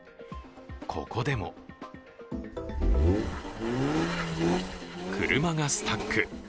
ここでも車がスタック。